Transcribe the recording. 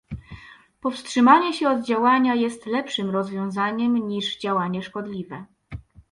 Powstrzymanie się od działania jest lepszym rozwiązaniem, niż działanie szkodliwe